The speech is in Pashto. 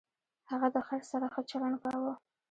هغه د خر سره ښه چلند کاوه.